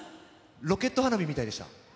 ロケット花火みたいでした。